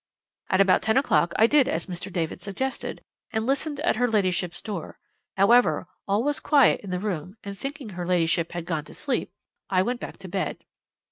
At about ten o'clock I did as Mr. David suggested, and listened at her ladyship's door. However, all was quiet in the room, and, thinking her ladyship had gone to sleep, I went back to bed.